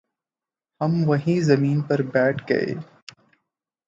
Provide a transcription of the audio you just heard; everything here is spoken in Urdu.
ہم وہیں زمین پر بیٹھ گ